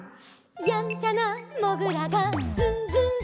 「やんちゃなもぐらがズンズンズン」